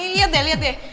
lihat deh lihat deh